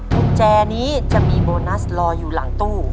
กุญแจนี้จะมีโบนัสรออยู่หลังตู้